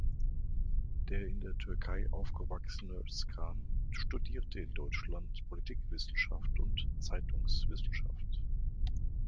Der in der Türkei aufgewachsene Özcan studierte in Deutschland Politikwissenschaft und Zeitungswissenschaft.